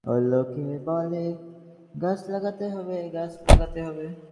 গাছ কখনও নিয়ম লঙ্ঘন করে না।